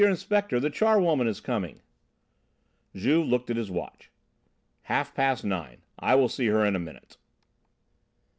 Inspector, the charwoman is coming." Juve looked at his watch. "Half past nine. I will see her in a minute."